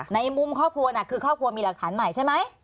ในมุมครอบครัวน่ะคือครอบครัวมีหลักฐานใหม่ใช่ไหม